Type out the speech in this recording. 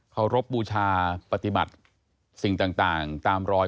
เขารบบูชาปฏิบัติสิ่งต่างตามรอย